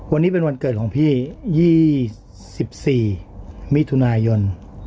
วันนี้เป็นวันเกิดของพี่ยี่สิบสี่มิถุนายน